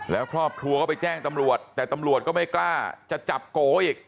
แล้วครอบครัวก็ไปแจ้งตำรวจแต่ตำรวจก็ไม่กล้าจะจับโกอีก